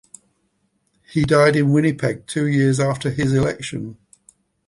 He died in Winnipeg two years after his election.